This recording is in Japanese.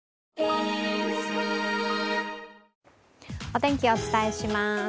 お天気、お伝えします。